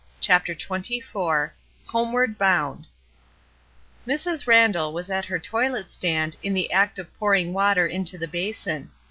CHAPTER XXIV HOMEWARD BOUND MRS. RANDALL was at her toilet stand in the act of pouring water into the basin.